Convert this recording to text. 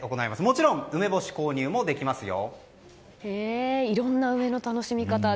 もちろん梅干し購入もできますよ。